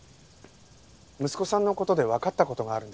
息子さんの事でわかった事があるんです。